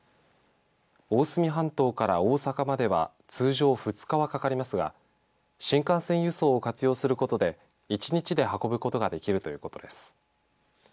大隅半島から大阪までは通常２日はかかりますが新幹線輸送を活用することで１日で運ぶことができるということです。